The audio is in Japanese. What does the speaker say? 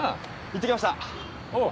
行ってきましたおう！